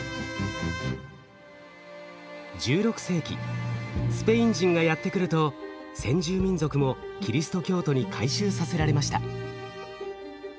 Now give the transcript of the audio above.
１６世紀スペイン人がやって来ると先住民族もキリスト教徒に改宗させられました。